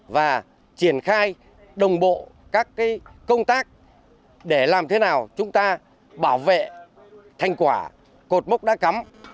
và triển khai đồng bộ các công tác để làm thế nào chúng ta bảo vệ thành quả cột mốc đã cắm